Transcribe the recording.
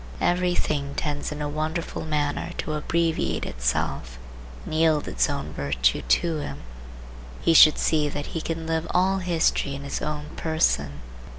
Every thing tends in a wonderful manner to abbreviate itself and yield its own virtue to him. He should see that he can live all history in his own person.